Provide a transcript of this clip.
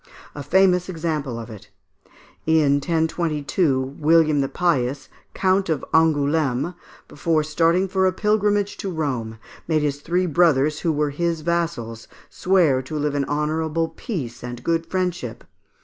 A famous example is given of it. In 1022, William the Pious, Count of Angoulême, before starting for a pilgrimage to Rome, made his three brothers, who were his vassals, swear to live in honourable peace and good friendship.